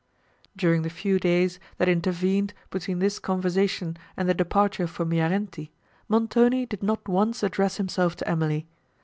During the few days that intervened between this conversation and the departure for Miarenti, Montoni did not once address himself to Emily.